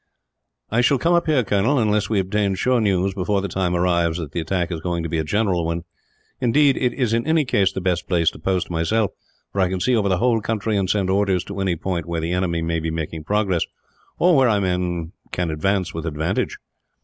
"I shall come up here, Colonel, unless we obtain sure news, before the time arrives, that the attack is going to be a general one; indeed, it is in any case the best place to post myself, for I can see over the whole country, and send orders to any point where the enemy may be making progress, or where our men can advance with advantage.